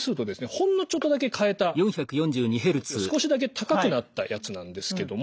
ほんのちょっとだけ変えた振動数が少しだけ高くなったやつなんですけども。